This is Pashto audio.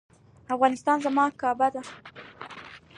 افغانستان زما کعبه ده؟